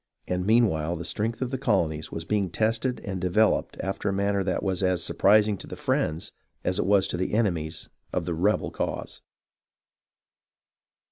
And meanwhile the strength of the colonies was being tested and developed after a manner that was as surprising to the friends as it was to the enemies of the " rebel " cause.